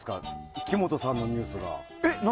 木本さんのニュースが。